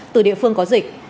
từ địa phương có dịch